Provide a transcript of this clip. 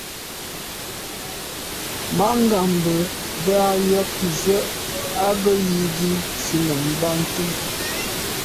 Mangambe bə́ ɑ̂ yə̀k nzwe' ɑ́ gə́ yí gi shúnɔ̀m Batngub.